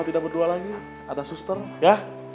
hei kamu tete jangan gitu atos ardo